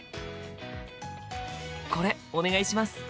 これお願いします！